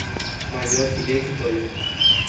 Mayor Hideki Tōjō.